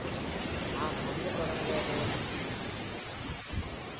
நான் எங்கு தொடங்குவது?